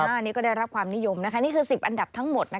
อันนี้ก็ได้รับความนิยมนี่คือ๑๐อันดับทั้งหมด